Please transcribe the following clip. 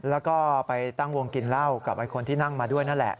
แล้วก็ไปตั้งวงกินเหล้ากับคนที่นั่งมาด้วยนั่นแหละ